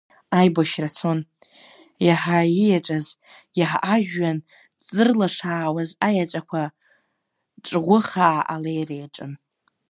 Аибашьра цон, иаҳа ииаҵәаз, иаҳа ажәҩан ҵзырлашаауаз аеҵәақәа ҿӷәыхаа алеира иаҿын.